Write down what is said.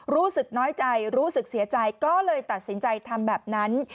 รู้สึกน้อยใจรู้สึกเสียใจก็เลยตัดสินใจทำแบบนั้น